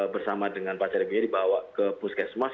bersama dengan pacar ibunya dibawa ke puskesmas